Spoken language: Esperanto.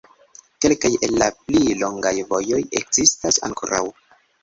Kelkaj el la pli longaj vojoj ekzistas ankoraŭ.